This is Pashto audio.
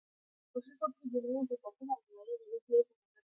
کوښښ وکړئ جملې مو په ترتیب او املایي غلطې یي په نظر کې ونیسۍ